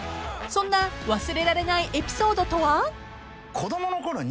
［そんな忘れられないエピソードとは？］